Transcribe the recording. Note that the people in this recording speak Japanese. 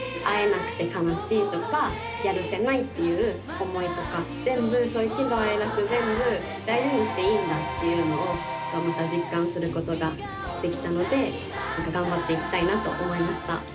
会えなくて悲しいとかやるせないっていう思いとか全部そういう喜怒哀楽全部大事にしていいんだっていうのを実感することができたので頑張っていきたいなと思いました。